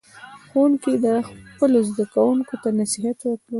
ښوونکي خپلو زده کوونکو ته نصیحت وکړ.